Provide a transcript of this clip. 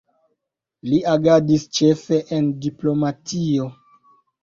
Li agadis ĉefe en diplomatio.